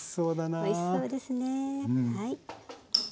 おいしそうですね。